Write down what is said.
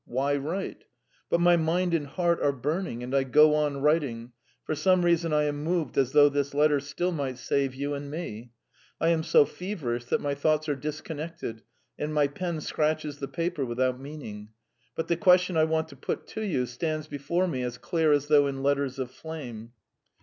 Why write? But my mind and heart are burning, and I go on writing; for some reason I am moved as though this letter still might save you and me. I am so feverish that my thoughts are disconnected, and my pen scratches the paper without meaning; but the question I want to put to you stands before me as clear as though in letters of flame.